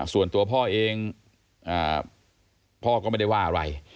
ส่วนตัวพ่อเองพ่อก็ไม่ได้ว่าอะไร